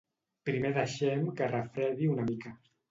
Primer deixem que refredi una mica.